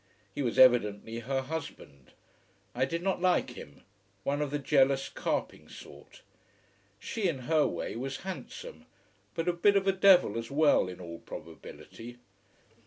He was evidently her husband. I did not like him: one of the jealous, carping sort. She, in her way, was handsome: but a bit of a devil as well, in all probability.